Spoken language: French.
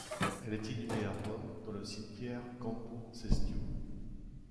Elle est inhumée à Rome, dans le cimetière Campo-Cestio.